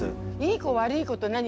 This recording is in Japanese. いい子悪い子と何？